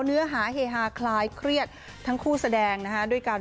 เนื้อหาเฮฮาคลายเครียดทั้งคู่แสดงนะฮะด้วยกัน